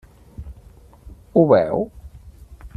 Ho veu?